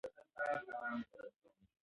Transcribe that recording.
پښتو ژبه زموږ د کلتور ریښه ده.